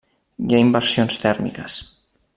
Hi ha inversions tèrmiques.